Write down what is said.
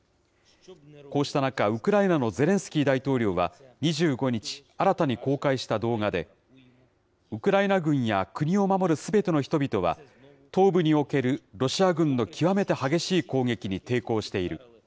こうした中、ウクライナのゼレンスキー大統領は２５日、新たに公開した動画で、ウクライナ軍や国を守るすべての人々は、東部におけるロシア軍の極めて激しい攻撃に抵抗している。